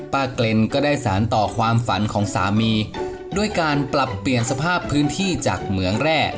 เกร็นก็ได้สารต่อความฝันของสามีด้วยการปรับเปลี่ยนสภาพพื้นที่จากเหมืองแร่